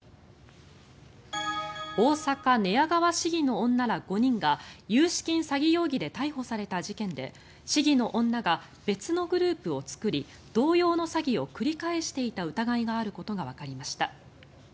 大阪・寝屋川市議の女ら５人が融資金詐欺容疑で逮捕された事件で市議の女が別のグループを作り同様の詐欺を繰り返していた疑いがあることがわかりました。